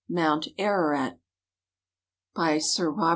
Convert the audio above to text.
MOUNT AEAEAT. BY SIR ROBT.